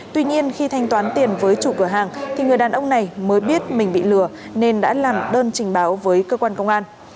tuy nhiên khi thanh toán tiền với chủ cửa hàng thì người đàn ông này mới biết mình bị lừa nên đã làm đơn trình báo với cơ quan công an